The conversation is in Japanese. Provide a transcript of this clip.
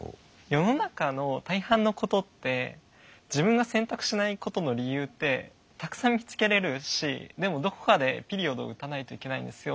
世の中の大半のことって自分が選択しないことの理由ってたくさん見つけれるしでもどこかでピリオド打たないといけないんですよ。